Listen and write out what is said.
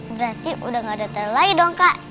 berarti udah gak ada teror lagi dong kak